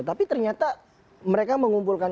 tapi ternyata mereka mengumpulkan